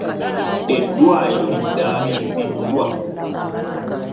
Eddwaliro liddabiriziddwa.